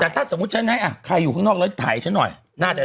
แต่ถ้าสมมุติฉันให้อ่ะใครอยู่ข้างนอกแล้วถ่ายฉันหน่อยน่าจะ